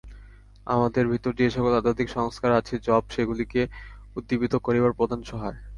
আমাদের ভিতর যে-সকল আধ্যাত্মিক সংস্কার আছে, জপ সেগুলিকে উদ্দীপিত করিবার প্রধান সহায়।